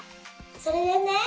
それでね